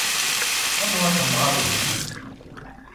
Anwa-t umɣar-ihin?